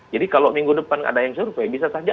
jadi kalau minggu depan ada yang survei bisa saja